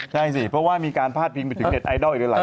ใช่สิเพราะว่ามีการพาดพิงไปถึงเน็ตไอดอลอีกหลาย